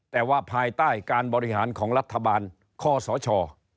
แต่ว่าภายใต้การบริหารของรัฐบาลคอสช